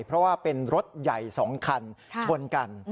เพราะว่าเป็นรถใหญ่๒คันชนกัน